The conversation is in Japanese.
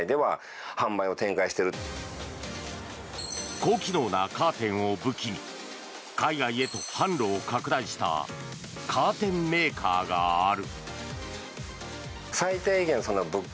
高機能なカーテンを武器に海外へと販路を拡大したカーテンメーカーがある。